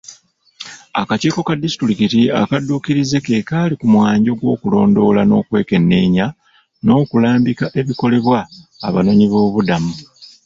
Akakiiko ka disitulikiti akadduukirize ke kali ku mwanjo gw'okulondoola n'okwekenneenya n'okulambika ebikolebwa abanoonyiboobubudamu.